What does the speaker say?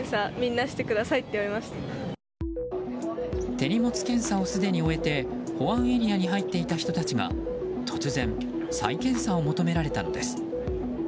手荷物検査をすでに終えて保安エリアに入っていた人たちが突然、再検査を求められたのです。